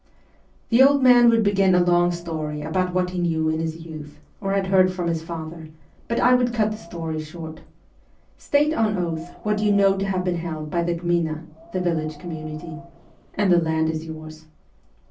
The old man would begin a long story about what he knew in his youth, or had heard from his father, but I would cut the story short. ..." State on oath what you know to have been held by the gmina (the village community) and the land is yours."